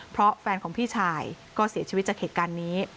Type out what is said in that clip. เพราะแฟนของพี่ชายก็เสียชีวิตจากเหตุการณ์นี้